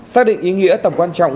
xác định ý nghĩa tầm quan trọng